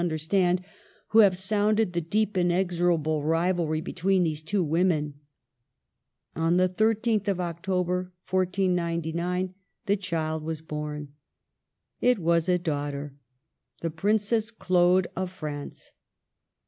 21 understand who have sounded the deep, inexo rable rivahy between these two women. On the 13th of October, 1499, the child was born. It was a daughter, — the Princess Claude of France.